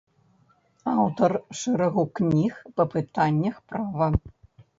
Аўтар шэрагу кніг па пытаннях права.